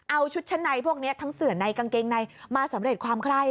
เอาชุดชั้นในพวกนี้ทั้งเสือในกางเกงในมาสำเร็จความไคร้